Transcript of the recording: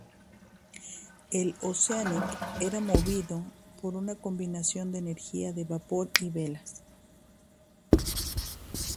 El "Oceanic" era movido por una combinación de energía de vapor y velas.